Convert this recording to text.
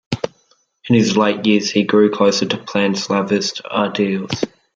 In his late years, he grew closer to Pan-Slavist ideals.